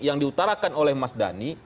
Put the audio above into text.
yang diutarakan oleh mas dhani